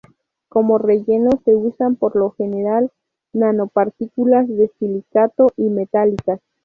Como relleno se usan por lo general nanopartículas de silicato y metálicas.